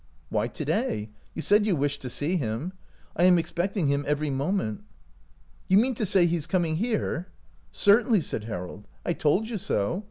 "Why, to day; you said you wished to see him. I am expecting him every mo ment." "You mean to say he is coming here ?"" Certainly," said Harold. " I told you so.